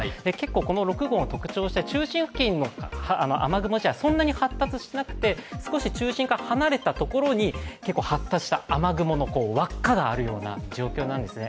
この６号の特徴として中心付近の雨雲はそんなに発達してなくて、少し中心から離れたところに結構、発達した雨雲の輪っかがあるような状況なんですね。